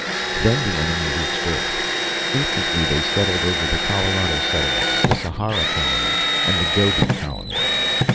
Then the enemy reached Earth. Instantly they settled over the Colorado settlement, the Sahara colony, and the Gobi colony.